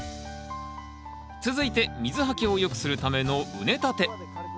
続いて水はけをよくするための畝立て。